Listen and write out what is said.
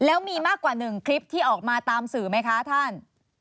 แล้วมีมากกว่า๑คลิปที่ออกมาตามสื่อไหมคะท่าน